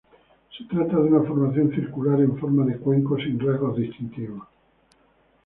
Se trata de una formación circular, en forma de cuenco, sin rasgos distintivos.